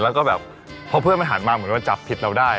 แล้วก็แบบพอเพื่อนมันหันมาเหมือนว่าจับผิดเราได้